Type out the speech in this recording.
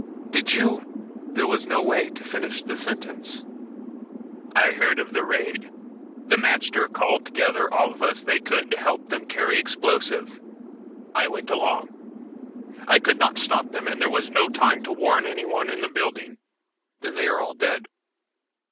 "Did you " There was no way to finish the sentence. "I heard of the raid. The magter called together all of us they could to help them carry explosive. I went along. I could not stop them, and there was no time to warn anyone in the building." "Then they are all dead?"